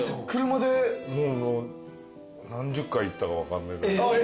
もう何十回行ったか分かんないぐらい。